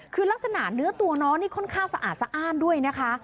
คือลักษณะเนื้อตัวน้องนี่ค่อนข้างสะอาดสะอ้านด้วยนะคะ